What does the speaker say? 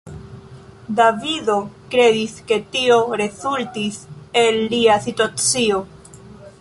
Davido kredis, ke tio rezultis el lia situacio.